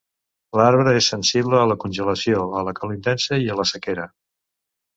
L'arbre és sensible a la congelació, a la calor intensa i a la sequera.